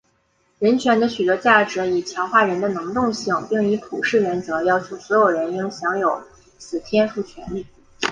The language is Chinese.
人权的许多价值以强化人的能动性并以普世原则要求所有人应享有此天赋权利。